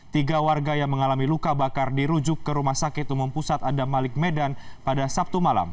tiga warga yang mengalami luka bakar dirujuk ke rumah sakit umum pusat adam malik medan pada sabtu malam